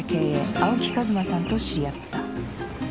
青木和馬さんと知り合った。